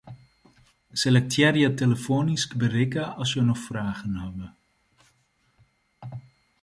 Selektearje 'telefoanysk berikke as jo noch fragen hawwe'.